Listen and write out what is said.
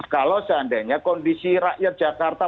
kalau seandainya kondisi rakyat jakarta